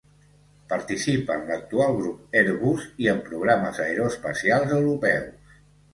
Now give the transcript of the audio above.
Participa en l'actual Grup Airbus i en programes aeroespacials europeus.